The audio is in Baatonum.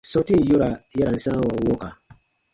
Sɔ̃tin yora ya ra n sãawa wɔ̃ka.